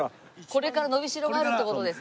これから伸びしろがあるって事です。